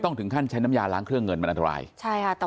ถึงขั้นใช้น้ำยาล้างเครื่องเงินมันอันตรายใช่ค่ะ